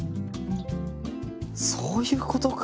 そういうことか！